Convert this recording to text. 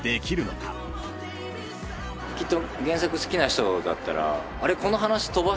きっと。